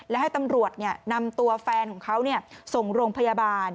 และให้ตำรวจนำตัวแฟนของเขาส่งโรงพยาบาล